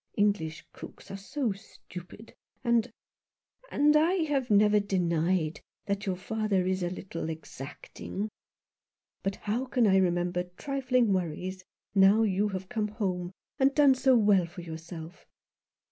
English cooks are so stupid — and — and — I have never denied that your father is a little exacting. But how can I remember trifling worries now you have come home, and have done so well for yourself